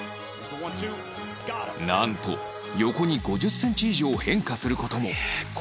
なんと横に５０センチ以上変化する事も